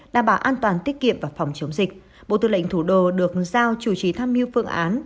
đảm bảo an toàn tiết kiệm và phòng chống dịch bộ tư lệnh thủ đô được giao chủ trí tham mưu phương án